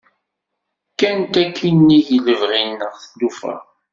Kkant akin nnig lebɣi-nneɣ tlufa.